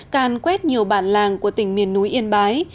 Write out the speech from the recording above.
càn quét nhiều bản làng của tỉnh miền núi yên bái